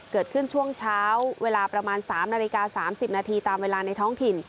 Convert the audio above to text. เกิดขึ้นช่วงเช้าเวลาประมาณ๓นาฬิกา๓๐นาทีตามเวลาในท้องถิ่น